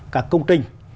các công trình